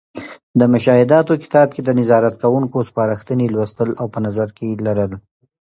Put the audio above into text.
د مشاهداتو کتاب کې د نظارت کوونکو سپارښتنې لوستـل او په نظر کې لرل.